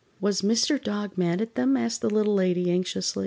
"Was Mr. Dog mad at them?" asked the Little Lady, anxiously.